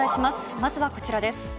まずはこちらです。